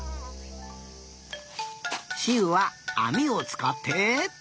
しうはあみをつかって。